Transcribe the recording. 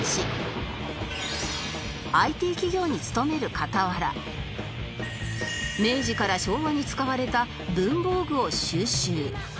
ＩＴ 企業に勤める傍ら明治から昭和に使われた文房具を収集